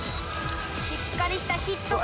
しっかりしたヒットが。